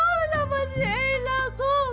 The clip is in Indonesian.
alamak si elah kau